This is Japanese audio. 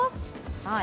はい。